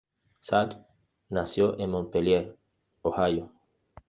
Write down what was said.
Zach nació en Montpelier, Ohio.